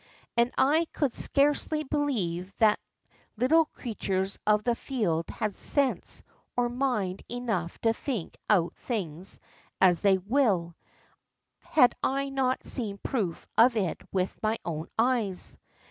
And I could scarcely believe that little creatures of the field had sense or mind enough to think out things as they will, had I not seen proof of it with my own eyes.